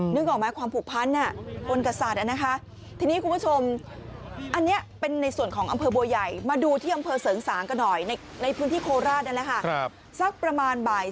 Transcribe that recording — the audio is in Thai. นึกออกไหมครับความผูกพัน